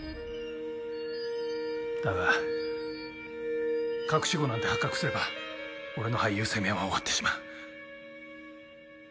だが隠し子なんて発覚すれば俺の俳優生命は終わってしまう。